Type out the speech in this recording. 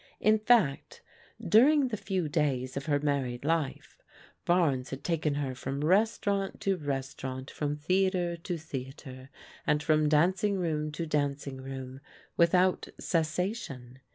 In fact, during the few days of her married life, Barnes had taken her from restaurant to restaurant, from theatre to theatre, and from dancing room to dancing room, without cessation.